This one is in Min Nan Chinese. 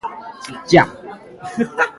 呷